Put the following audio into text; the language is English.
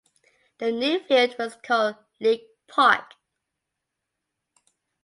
The new field was called League Park.